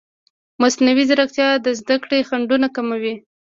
مصنوعي ځیرکتیا د زده کړې خنډونه کموي.